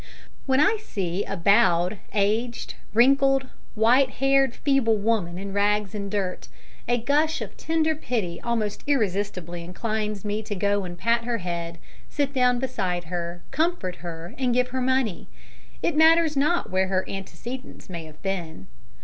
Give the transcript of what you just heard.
When I see a bowed, aged, wrinkled, white haired, feeble woman in rags and dirt, a gush of tender pity almost irresistibly inclines me to go and pat her head, sit down beside her, comfort her, and give her money. It matters not what her antecedents may have been.